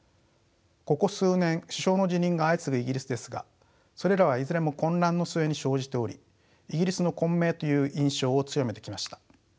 ここ数年首相の辞任が相次ぐイギリスですがそれらはいずれも混乱の末に生じておりイギリスの混迷という印象を強めてきました。